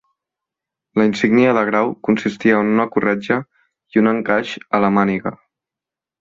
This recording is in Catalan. La insígnia de grau consistia en una corretja i un encaix a la màniga.